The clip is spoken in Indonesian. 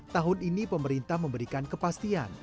tahun ini pemerintah memberikan kepastian